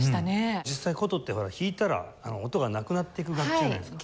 実際箏って弾いたら音がなくなっていく楽器じゃないですか。